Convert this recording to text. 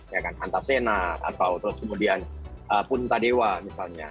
ya kan antasena atau terus kemudian punta dewa misalnya